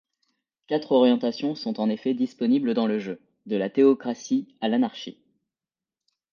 Quatre orientations sont en effet disponibles dans le jeu, de la théocratie à l’anarchie.